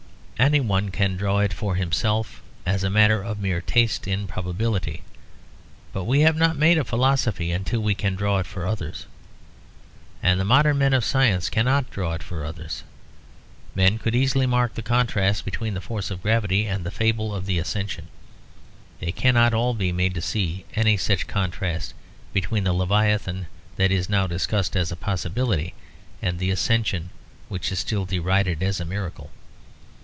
Any one can draw it for himself, as a matter of mere taste in probability; but we have not made a philosophy until we can draw it for others. And the modern men of science cannot draw it for others. Men could easily mark the contrast between the force of gravity and the fable of the Ascension. They cannot all be made to see any such contrast between the levitation that is now discussed as a possibility and the ascension which is still derided as a miracle.